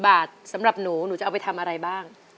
บาทสำหรับหนูหนูจะเอาไปทำอะไรบ้าง